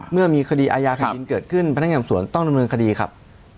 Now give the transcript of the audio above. เมื่อมีคดีอาญาแผ่นดินเกิดขึ้นพนักงานสวนต้องดำเนินคดีครับ